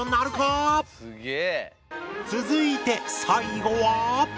続いて最後は。